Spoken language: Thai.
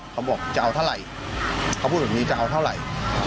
เขาบอกจะเอาเท่าไหร่เขาพูดแบบนี้จะเอาเท่าไหร่